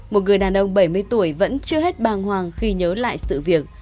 một người đàn ông bảy mươi tuổi vẫn chưa hết bàng hoàng khi nhớ lại sự việc